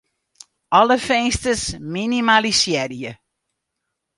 Alle finsters minimalisearje.